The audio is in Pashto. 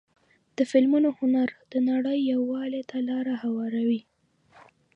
د فلمونو هنر د نړۍ یووالي ته لاره هواروي.